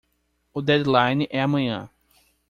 O deadline é amanhã.